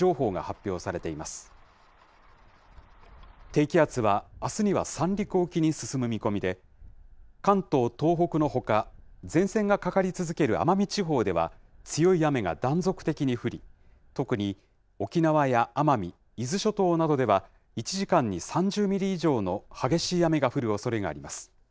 低気圧は、あすには三陸沖に進む見込みで、関東、東北のほか、前線がかかり続ける奄美地方では、強い雨が断続的に降り、特に、沖縄や奄美、伊豆諸島などでは、１時間に３０ミリ以上の激しい雨が降るおそれがあります。